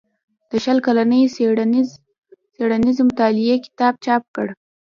د شل کلنې څيړنيزې مطالعې کتاب چاپ کړ